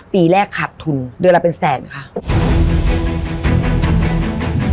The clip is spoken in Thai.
ปีแรกขาดทุนเดือนละเป็นแสนค่ะ